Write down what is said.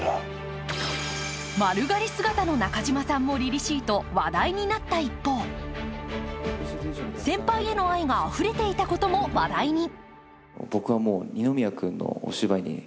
丸刈り姿の中島さんもりりしいと話題になった一方先輩への愛があふれていたことも話題に。